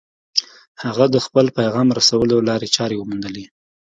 هغه د خپل پيغام رسولو لارې چارې وموندلې.